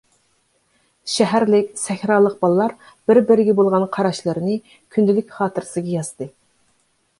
شەھەرلىك، سەھرالىق بالىلار بىر-بىرىگە بولغان قاراشلىرىنى كۈندىلىك خاتىرىسىگە يازدى.